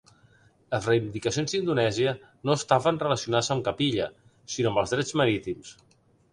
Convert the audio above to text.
Les reivindicacions d'Indonèsia no estaven relacionades amb cap illa, sinó amb els drets marítims.